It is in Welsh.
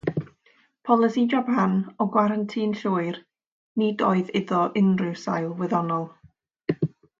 Polisi Japan o gwarantin llwyr... nid oedd iddo unrhyw sail wyddonol.